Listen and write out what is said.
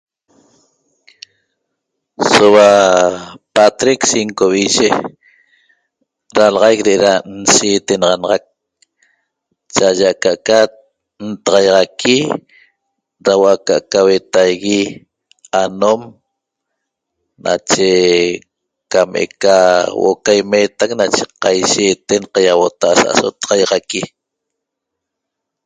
Sohua patric 5 vicie dalaxaic da nshietenaxanaxaq chaaye da taiaxaqui da huoo ca vetaie anom nache came ca caimeteq nache caisegnaxana caiabotaa' so taiaxaqui